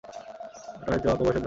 ওটা হয়তো অল্প বয়সের ধর্ম।